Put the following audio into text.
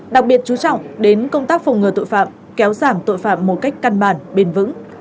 đặc biệt chú trọng đến công tác phòng ngừa tội phạm kéo giảm tội phạm một cách căn bản bền vững